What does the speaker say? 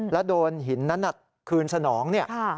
แล้วโดนหินนั้นคืนสนองเนี่ย